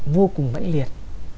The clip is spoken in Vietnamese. vô cùng mãnh liệt